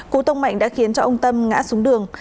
cú tông mạnh đã khiến cho ông tâm ngã xuống đường